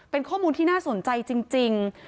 เป็นข้อมูลที่น่าสนใจจริง